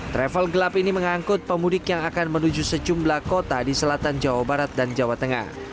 travel gelap ini mengangkut pemudik yang akan menuju sejumlah kota di selatan jawa barat dan jawa tengah